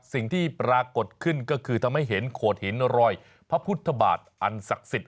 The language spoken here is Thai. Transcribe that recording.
สิ่งที่ปรากฏขึ้นก็คือทำให้เห็นโขดหินรอยพระพุทธบาทอันศักดิ์สิทธิ